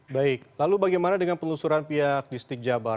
baik lalu bagaimana dengan penelusuran pihak di stik jabar